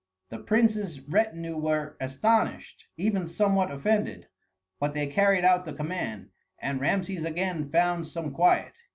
The prince's retinue were astonished, even somewhat offended; but they carried out the command, and Rameses again found some quiet.